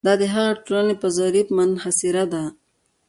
دا د همغې ټولنې په ظرف منحصره ده.